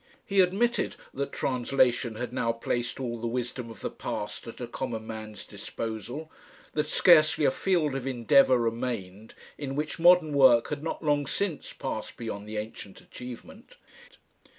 He admitted that translation had now placed all the wisdom of the past at a common man's disposal, that scarcely a field of endeavour remained in which modern work had not long since passed beyond the ancient achievement.